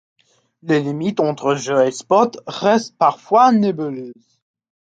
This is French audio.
Les limites entre jeu et sport restent parfois nébuleuses.